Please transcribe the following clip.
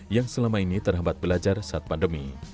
yang selama ini terhambat belajar saat pandemi